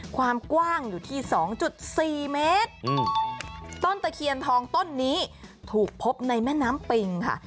ความกว้างอยู่ที่สองจุดสี่เมตรต้นตะเคียนทองต้นนี้ถูกพบในแม่น้ำปิงค่ะ